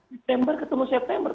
september ketemu september